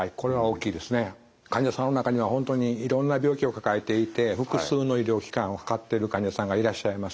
患者さんの中には本当にいろんな病気を抱えていて複数の医療機関をかかっている患者さんがいらっしゃいます。